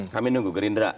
kami nunggu gerindra